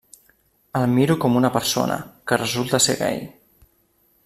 El miro com una persona, que resulta ser gai.